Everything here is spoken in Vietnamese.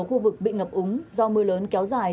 khu vực bị ngập úng do mưa lớn kéo dài